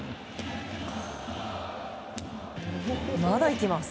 まだいきます。